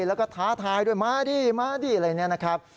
แล้วก็ท้าทายด้วยมาดิมาดิอะไรเนี่ยนะครับ